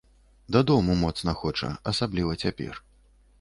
Дадому моцна хоча, асабліва цяпер.